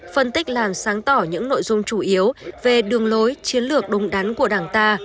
phân tích làm sáng tỏ những nội dung chủ yếu về đường lối chiến lược đúng đắn của đảng ta